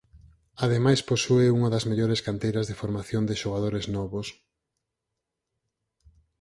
Ademais posúe unha das mellores canteiras de formación de xogadores novos.